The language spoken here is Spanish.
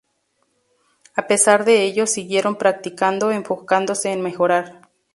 A pesar de ello siguieron practicando, enfocándose en mejorar.